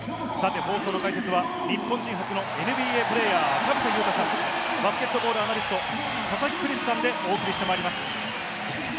放送の解説は、日本人初のＮＢＡプレーヤー田臥勇太さん、バスケットボールアナリスト・佐々木クリスさんでお送りしてまいります。